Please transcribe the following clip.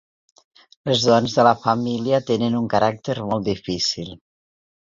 Les dones de la família tenen un caràcter molt difícil.